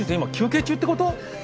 今休憩中ってこと？